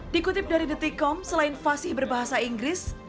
dikutip dari detikom selain fasih berbahasa inggris